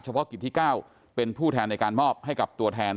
เพาะกิจที่๙เป็นผู้แทนในการมอบให้กับตัวแทน